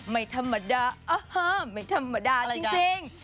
ไม่ธรรมดาอาหารไม่ธรรมดาจริง